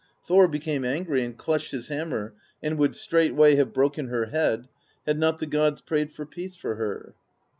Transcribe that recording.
Thor became angry and clutched his ham mer, and would straightway have broken her head, had not the gods prayed for peace for her.